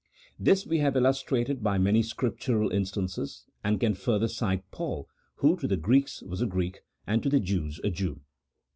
This we have illustrated by many Scriptural instances, and can further cite Paul, who to the Greeks was a Greek, and to the Jews a Jew.